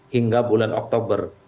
hingga bulan oktober